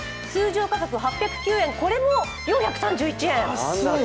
通常価格８０９円、これも４３１円。